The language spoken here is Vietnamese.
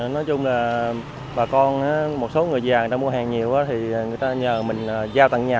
nói chung là bà con một số người vàng đã mua hàng nhiều thì người ta nhờ mình giao tặng nhà